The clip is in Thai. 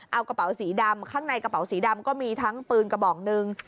เอากระเป๋าสีดำข้างในกระเป๋าสีดำก็มีทั้งปืนกระบอกหนึ่ง